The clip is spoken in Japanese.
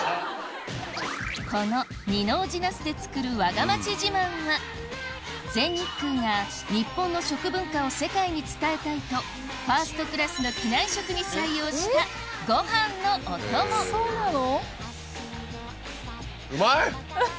この二王子なすで作るわが町自慢は全日空が日本の食文化を世界に伝えたいとファーストクラスの機内食に採用したご飯のお供そうなの？